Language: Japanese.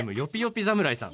ぴ侍さん。